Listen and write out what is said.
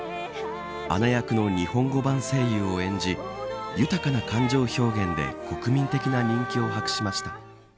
アナ役の日本語版声優を演じ豊かな感情表現で国民的な人気を博しました。